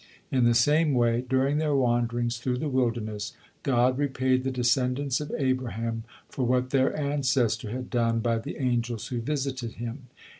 In the same way, during their wanderings through the wilderness, God repaid the descendants of Abraham for what their ancestor had done by the angels who visited him.